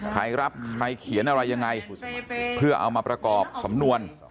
ใครรับใครเขียนอะไรยังไงเพื่อเอามาประกอบสำนวน